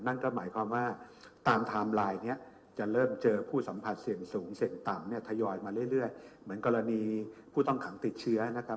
นั่นก็หมายความว่าตามไทม์ไลน์เนี่ยจะเริ่มเจอผู้สัมผัสเสี่ยงสูงเสี่ยงต่ำเนี่ยทยอยมาเรื่อยเหมือนกรณีผู้ต้องขังติดเชื้อนะครับ